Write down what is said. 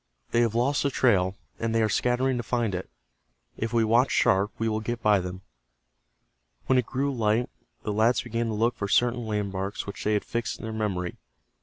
"They have lost the trail, and they are scattering to find it. If we watch sharp we will get by them." When it grew light the lads began to look for certain landmarks which they had fixed in their memory.